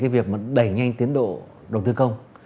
việc đẩy nhanh tiến độ đầu tư công